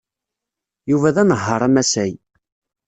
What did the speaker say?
Yuba d anehhaṛ amasay.